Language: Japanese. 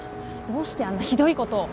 どうしてあんなひどいことを。